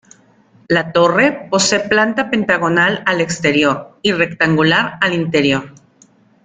La torre posee planta pentagonal al exterior y rectangular al interior.